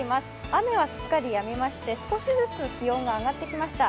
雨はすっかりやみまして少しずつ気温が上がってきました。